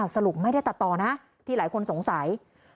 สรุปไม่ได้ตัดต่อนะที่หลายคนสงสัย